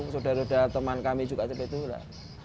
saudara saudara teman kami juga seperti itu enggak